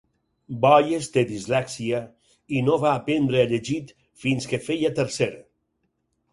Boies té dislèxia i no va aprendre a llegit fins que feia tercer.